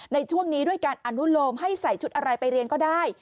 ในช่วงนี้ด้วยการอนุโลมให้ใส่ชุดอะไรไปเรียนก็ได้